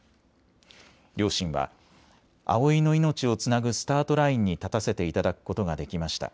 両親は、葵の命をつなぐスタートラインに立たせていただくことができました。